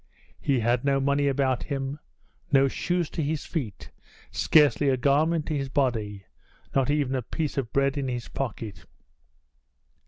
He had no money about him, no shoes to his feet, scarcely a garment to his body, not even a piece of bread in his pocket.